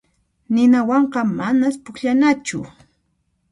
Ninawanqa manas pukllanachu.